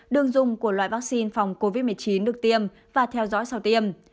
đường dùng của loại vaccine phòng covid một mươi chín được tiêm và theo dõi sau tiêm